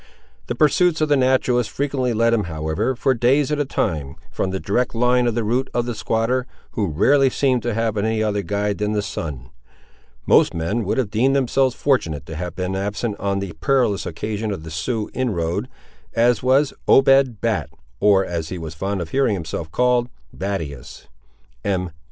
The pursuits of the naturalist frequently led him, however, for days at a time, from the direct line of the route of the squatter, who rarely seemed to have any other guide than the sun. Most men would have deemed themselves fortunate to have been absent on the perilous occasion of the Sioux inroad, as was Obed Bat, (or as he was fond of hearing himself called, Battius,) M.